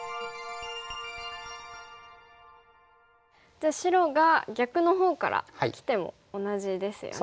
じゃあ白が逆のほうからきても同じですよね。